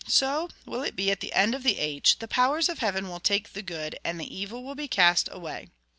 So will it be at the end of the age ; the powers of heaven will take the good, and the evil will be cast away.